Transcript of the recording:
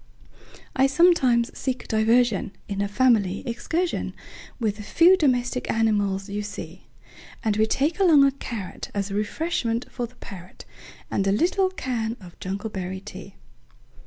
I sometimes seek diversionIn a family excursionWith the few domestic animals you see; And we take along a carrotAs refreshment for the parrot, And a little can of jungleberry tea.